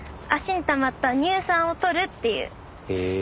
足にたまった乳酸をとるっていう。